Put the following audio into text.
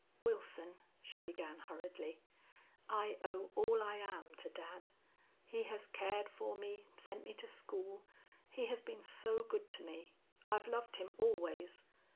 "Wilson," she began, hurriedly, "I owe all I am to dad. He has cared for me sent me to school. He has been so good to me. I've loved him always.